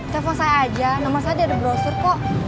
telepon saya aja nomer saya ada di brosur kok